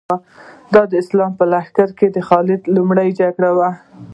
دا د اسلام په لښکر کې د خالد لومړۍ جګړه وه.